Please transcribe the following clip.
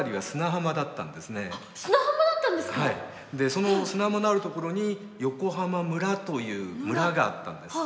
その砂浜のあるところに横浜村という村があったんです。